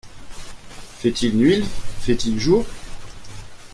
Fait-il nuit, fait-il jour ?…